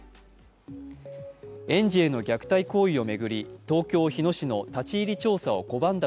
園児への虐待行為を巡り東京・日野市の立ち入り調査を拒んだ